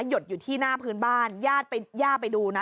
หยดอยู่ที่หน้าพื้นบ้านย่าไปดูนะ